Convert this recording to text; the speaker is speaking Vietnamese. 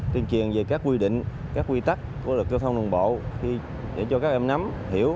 tuyên truyền về các quy định các quy tắc của luật giao thông đường bộ để cho các em nắm hiểu